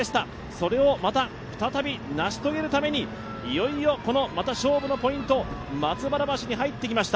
それをまた再び成し遂げるために、いよいよ勝負のポイント、松原橋に入ってきました。